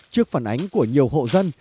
trước phản ánh của nhiều hộ dân